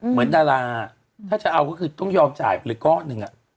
เหมือนดาราถ้าจะเอาก็คือต้องยอมจ่ายไปเลยก้อนหนึ่ง